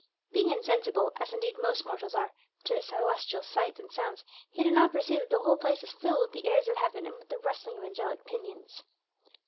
Being insensible as indeed are most mortals to celestial sights and sounds he did not perceive that the whole place was filled with the airs of heaven and with the rustling of angelic pinions.